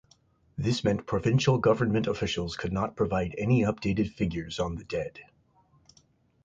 This meant provincial government officials could not provide any updated figures on the dead.